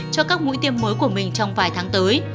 cho các mũi tiêm mới của mình trong vài tháng tới